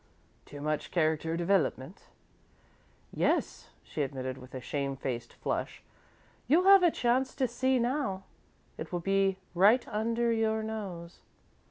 "Too much character development?" "Yes," she admitted, with a shamefaced flush. "You'll have a chance to see, now. It will be right under your nose."